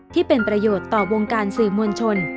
ที่เป็นประโยชน์ต่อวงการสื่อมวลชน